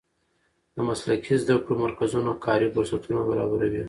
د مسلکي زده کړو مرکزونه کاري فرصتونه برابروي.